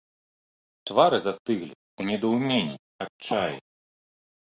Твары застыглі ў недаўменні, адчаі.